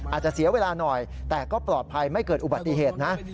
เสียเวลาหน่อยแต่ก็ปลอดภัยไม่เกิดอุบัติเหตุนะ